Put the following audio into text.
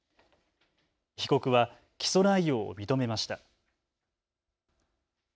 被告は起訴内容を認めました。